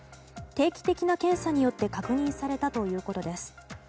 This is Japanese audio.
定期的な検査によって確認されたということです。